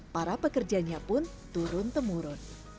para pekerjanya pun turun temurun